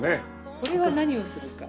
これは何をするか。